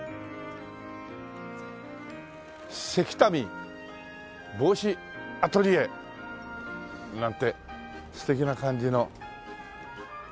「関民帽子アトリエ」なんて素敵な感じの。